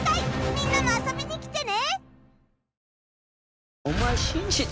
みんなも遊びに来てね！